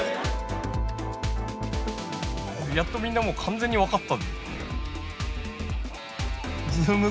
やっとみんなもう完全に分かった。